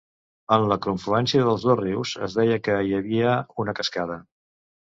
En la confluència dels dos rius es deia que hi havia una cascada.